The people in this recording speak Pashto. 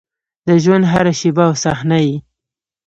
د ژونـد هـره شـيبه او صحـنه يـې